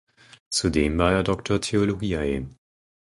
Zudem war er Doctor theologiae.